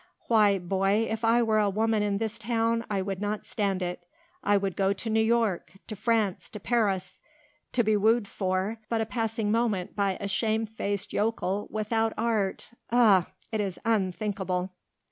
Why, boy, if I were a woman in this town I would not stand it I would go to New York, to France, to Paris To be wooed for but a passing moment by a shame faced yokel without art uh it is unthinkable."